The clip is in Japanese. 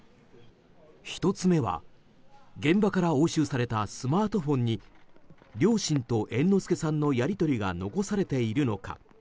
１つ目は、現場から押収されたスマートフォンに両親と猿之助さんのやり取りが残されているのか。